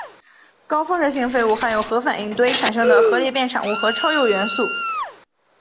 高放射性废物含有核反应堆产生的核裂变产物和超铀元素。